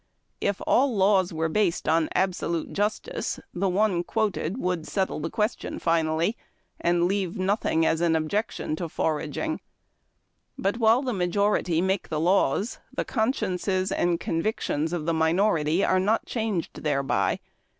If all laws were based on absolute justice, the one quoted would settle the question finally, and leave nothing as an objection to forag FOB AGING. iug. But wliile the majovit}' make the hiws, the consciences and convictions of the minority are not changed thereby.